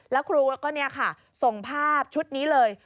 แล้วครูก็เนี่ยค่ะส่งภาพชุดนี้เลย